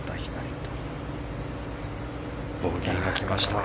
ボギーが来ました。